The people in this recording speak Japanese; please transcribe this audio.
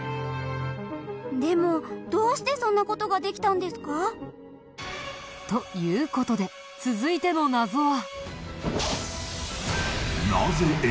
でもどうしてそんな事ができたんですか？という事で続いての謎は。